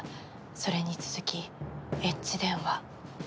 それに続きエッチ電話。